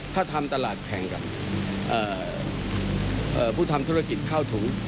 ถ้าทำตลาดแข่งกับผู้ทำธุรกิจข้าวถุง